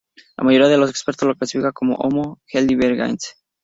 La mayoría de los expertos lo clasifica como "Homo heidelbergensis".